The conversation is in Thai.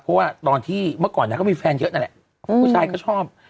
เพราะว่าตอนที่เมื่อก่อนนางก็มีแฟนเยอะนั่นแหละผู้ชายก็ชอบ